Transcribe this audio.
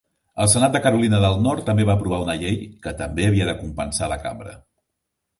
El senat de Carolina del Nord també va aprovar una llei, que també havia de compensar la Cambra.